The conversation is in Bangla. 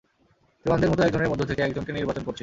তুই অন্ধের মতো একজনের মধ্যে থেকে একজনকে নির্বাচন করছিস।